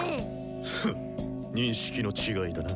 フン認識の違いだな。